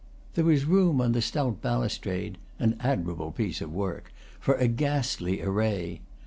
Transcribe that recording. There was room on the stout balustrade an admirable piece of work for a ghastly array.